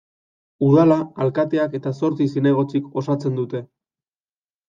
Udala alkateak eta zortzi zinegotzik osatzen dute.